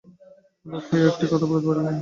অবাক হইয়া একটি কথাও বলিতে পারিলেন না।